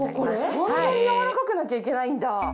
そんなに柔らかくなきゃいけないんだ。